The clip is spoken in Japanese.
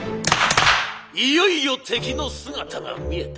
いよいよ敵の姿が見えた。